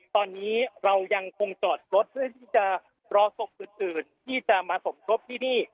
ตอนนี้เรายังคงจอดรถเพื่อที่จะรอศพอื่นที่จะมาสมทบที่นี่